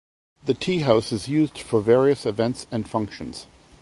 The teahouse is used for various events and functions.